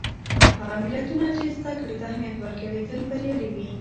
هغه ملتونه چې زدهکړې ته اهمیت ورکوي، تل بریالي وي.